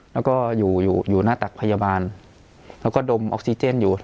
แล้วก็อยู่อยู่หน้าตักพยาบาลแล้วก็ดมออกซิเจนอยู่